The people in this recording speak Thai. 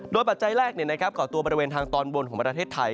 ปัจจัยแรกก่อตัวบริเวณทางตอนบนของประเทศไทย